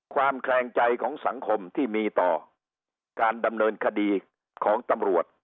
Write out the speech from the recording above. แขลงใจของสังคมที่มีต่อการดำเนินคดีของตำรวจ